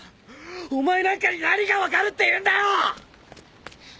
⁉お前なんかに何が分かるっていうんだよ‼